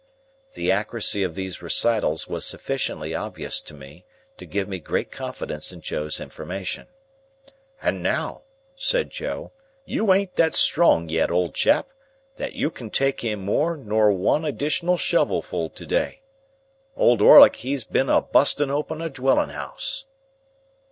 The accuracy of these recitals was sufficiently obvious to me, to give me great confidence in Joe's information. "And now," said Joe, "you ain't that strong yet, old chap, that you can take in more nor one additional shovelful to day. Old Orlick he's been a bustin' open a dwelling ouse."